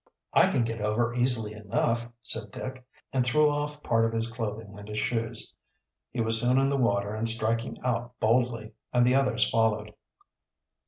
"I can get over easily enough," said Dick, and threw off part of his clothing and his shoes. He was soon in the water and striking out boldly, and the others followed.